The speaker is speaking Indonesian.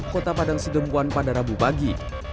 kota padang sidempuan pada rabu pagi